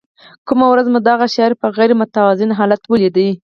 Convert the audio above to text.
کومه ورځ مو دغه شاعر په غیر متوازن حالت ولید.